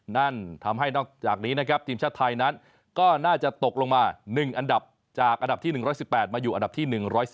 นั่นทำให้นอกจากนี้นะครับทีมชาติไทยนั้นก็น่าจะตกลงมา๑อันดับจากอันดับที่๑๑๘มาอยู่อันดับที่๑๓